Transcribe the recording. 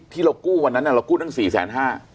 ที่เรากู้วันนั้นเรากู้ตั้ง๔๕๐๐บาท